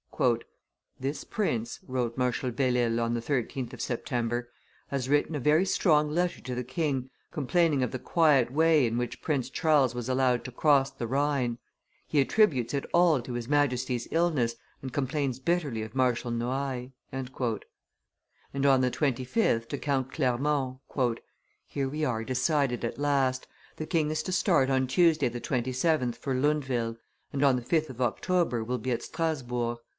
"This prince," wrote Marshal Belle Isle on the 13th of September, "has written a very strong letter to the king, complaining of the quiet way in which Prince Charles was allowed to cross the Rhine; he attributes it all to his Majesty's illness, and complains bitterly of Marshal Noailles." And, on the 25th, to Count Clermont, "Here we are, decided at last; the king is to start on Tuesday the 27th for Lundville, and on the 5th of October will be at Strasbourg.